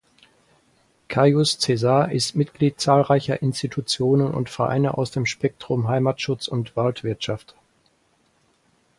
Cajus Caesar ist Mitglied zahlreicher Institutionen und Vereine aus dem Spektrum Heimatschutz und Waldwirtschaft.